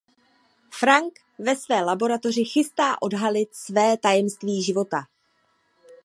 Frank se ve své laboratoři chystá odhalit své "tajemství života".